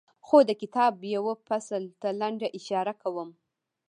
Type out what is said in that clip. خو د کتاب یوه فصل ته لنډه اشاره کوم.